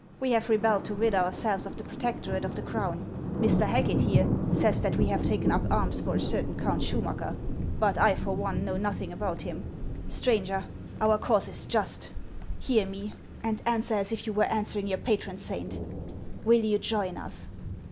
We have rebelled to rid ourselves of the protectorate of the Crown. Mr. Haeket, here, says that we have taken up arms for a certain Count Schumacker; but I for one know nothing about him. Stranger, our cause is just. Hear me, and answer as if you were answering your patron saint. Will you join us